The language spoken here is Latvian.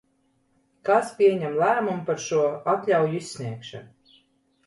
Kas pieņem lēmumu par šo atļauju izsniegšanu?